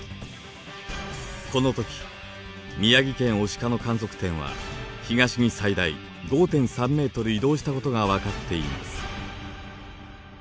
この時宮城県牡鹿の観測点は東に最大５．３ｍ移動したことが分かっています。